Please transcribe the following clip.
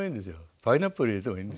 パイナップル入れてもいいんですよ。